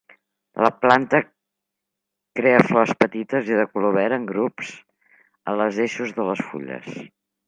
La planta crea flors petites i de color verd en grups a les eixos de les fulles.